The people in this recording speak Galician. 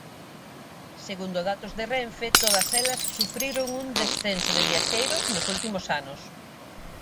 Segundo datos de Renfe, todas elas sufriron un descenso de viaxeiros nos últimos anos.